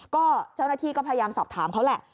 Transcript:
ก็เจ้าหน้าที่ก็พยายามสอบถามเขาแหละ